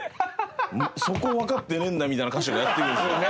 そこをわかってねえんだみたいな箇所がやって来るんですよ。